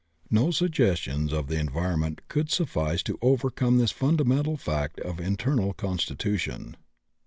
No suggestions of the environment could suffice to overcome this fundamental fact of internal constitution.